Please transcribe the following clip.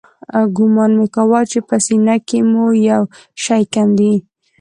ګومان مې کاوه چې په سينه کښې مې يو شى کم دى.